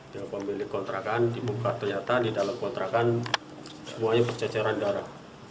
dia pemilik kontrakan dibuka ternyata di dalam kontrakan semuanya berceceran darah